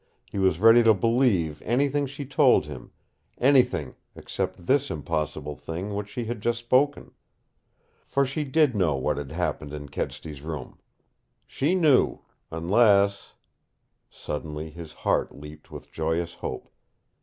He was ready to believe anything she told him anything except this impossible thing which she had just spoken. For she did know what had happened in Kedsty's room. She knew unless Suddenly his heart leaped with joyous hope.